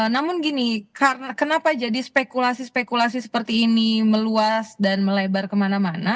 namun gini kenapa jadi spekulasi spekulasi seperti ini meluas dan melebar kemana mana